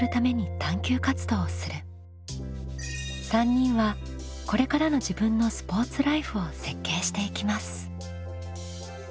３人はこれからの自分のスポーツライフを設計していきます。